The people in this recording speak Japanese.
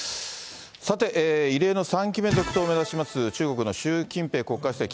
さて、異例の３期目続投を目指します中国の習近平国家主席。